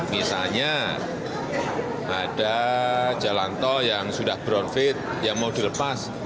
misalnya ada jalan tol yang sudah brownfit yang mau dilepas